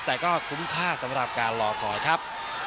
แต่ก็คุ้มค่าสำหรับการรอคอยครับ